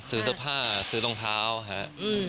ซื้อเสื้อผ้าซื้อรองเท้าครับ